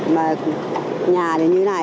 mà nhà thì chưa xong